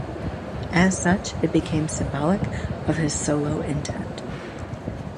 As such, it became symbolic of his solo intent.